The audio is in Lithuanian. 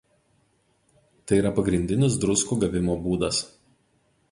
Tai yra pagrindinis druskų gavimo būdas.